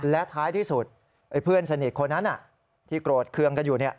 และท้ายที่สุดเพื่อนสนิทคนนั้นที่โกรธเคืองกันอยู่